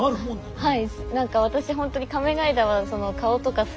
はい。